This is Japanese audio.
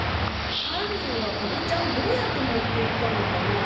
犯人はカボチャをどうやって持って行ったのかな？